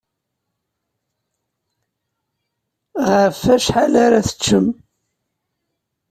Ɣef wacḥal ara teččem?